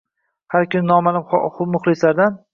Har kuni noma`lum muhlislardan bir dasta xat kelardi